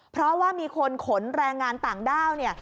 เพราะว่ามีคนขนแรงงานต่างด้าวเนี่ย